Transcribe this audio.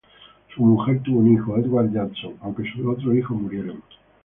Su mujer tuvo un hijo, Edward Judson, aunque sus otros hijos murieron.